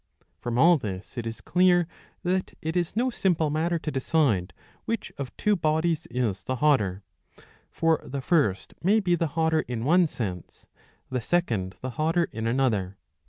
From all this it is clear that it is no simple matter to decide which of two bodies is the hotter. For the first may be the hotter in one sense, the second the hotter in another.